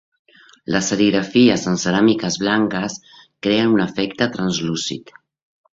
Les serigrafies en ceràmiques blanques creen un efecte translúcid.